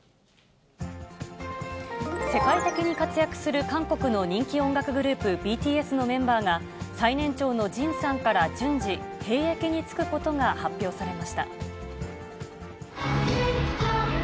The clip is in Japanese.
世界的に活躍する韓国の人気音楽グループ、ＢＴＳのメンバーが、最年長のジンさんから順次、兵役に就くことが発表されました。